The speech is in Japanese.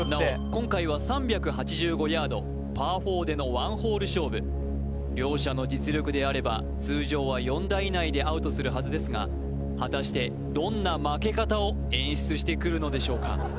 今回は３８５ヤードパー４での１ホール勝負両者の実力であれば通常は４打以内でアウトするはずですが果たしてどんな負け方を演出してくるのでしょうか？